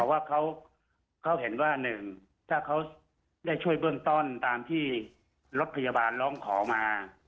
ว่าเขาเห็นว่าหนึ่งถ้าเขาได้ช่วยเบื้องต้นตามที่รถพยาบาลร้องขอมา